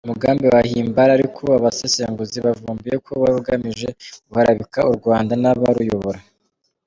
Umugambi wa Himbara ariko abasesenguzi bavumbuye ko wari ugamije guharabika u Rwanda n’abaruyobora.